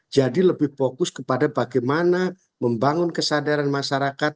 jadi lebih fokus kepada bagaimana membangun kesadaran masyarakat